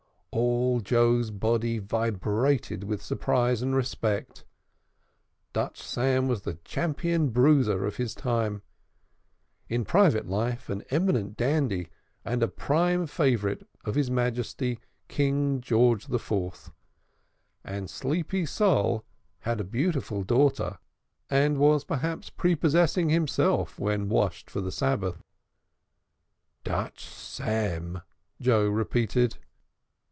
All Joe's body vibrated with surprise and respect. Dutch Sam was the champion bruiser of his time; in private life an eminent dandy and a prime favorite of His Majesty George IV., and Sleepy Sol had a beautiful daughter and was perhaps prepossessing himself when washed for the Sabbath. "Dutch Sam!" Joe repeated.